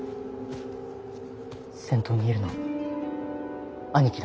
先頭にいるの兄貴だ。